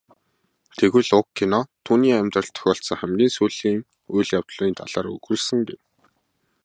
Тэгвэл уг кино түүний амьдралд тохиолдсон хамгийн сүүлийн үйл явдлын талаар өгүүлсэн гэнэ.